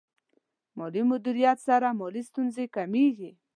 مالي مدیریت سره مالي ستونزې کمېږي.